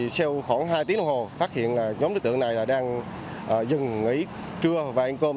sau khoảng hai tiếng đồng hồ phát hiện là nhóm đối tượng này đang dừng nghỉ trưa và ăn cơm